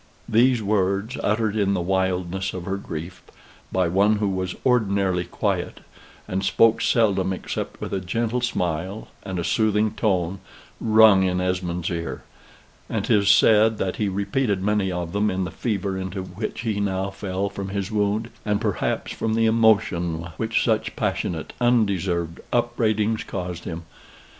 These words, uttered in the wildness of her grief, by one who was ordinarily quiet, and spoke seldom except with a gentle smile and a soothing tone, rung in Esmond's ear; and 'tis said that he repeated many of them in the fever into which he now fell from his wound, and perhaps from the emotion which such passionate, undeserved upbraidings caused him.